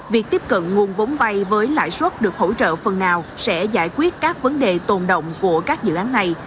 việc tiếp cận nguồn vốn vay với lãi suất được hỗ trợ phần nào sẽ giải quyết các vấn đề tồn động của các dự án này